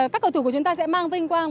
các cầu thủ của chúng ta sẽ mang vinh quang